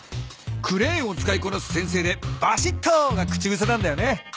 クレーンを使いこなす先生で「バシっと」がくちぐせなんだよね。